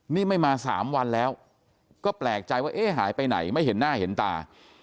นี่ไม่มา๓วันแล้วก็แปลกใจว่าเอ๊ะหายไปไหนไม่เห็นหน้าเห็นตา